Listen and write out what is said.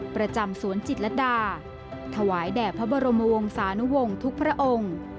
ประจำสวนจิตรดาถวายแด่พระบรมวงศานุวงศ์ทุกพระองค์